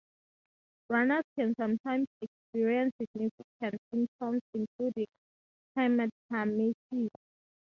Runners can sometimes experience significant symptoms including hematemesis.